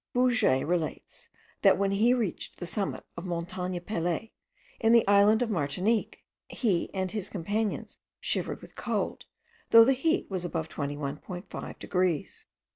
Bouguer relates, that when he reached the summit of Montagne Pelee, in the island of Martinique, he and his companions shivered with cold, though the heat was above 21.5 degrees.